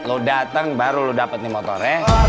lu datang baru lu dapet motornya